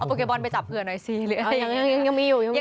เอาโปเกมอนไปจับเผื่อหน่อยซิ